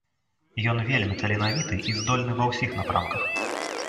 Ён вельмі таленавіты і здольны ва ўсіх напрамках.